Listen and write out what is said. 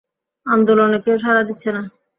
আন্দোলনে কেউ সাড়া দিচ্ছে না।